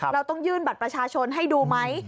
เราต้องยื่นบัตรประชาชนให้ดูไหม